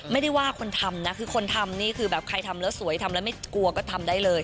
ไม่ได้ว่าคนทำนะคือคนทำนี่คือแบบใครทำแล้วสวยทำแล้วไม่กลัวก็ทำได้เลย